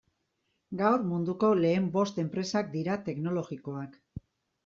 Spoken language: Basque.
Gaur munduko lehen bost enpresak dira teknologikoak.